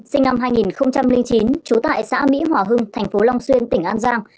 sinh năm hai nghìn chín trú tại xã mỹ hòa hưng thành phố long xuyên tỉnh an giang